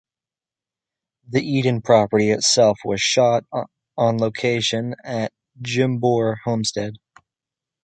The "Eden" property itself was shot on location at Jimbour Homestead.